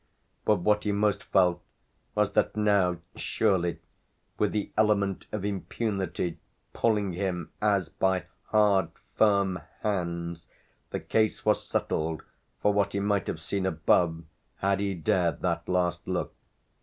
But what he most felt was that now surely, with the element of impunity pulling him as by hard firm hands, the case was settled for what he might have seen above had he dared that last look.